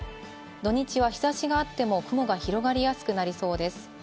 土日は日差しがあっても雲が広がりやすくなりそうです。